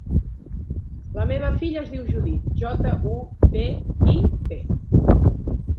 La meva filla es diu Judit: jota, u, de, i, te.